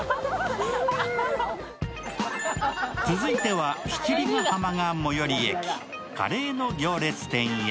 続いては七里ヶ浜が最寄り駅、カレーの行列店へ。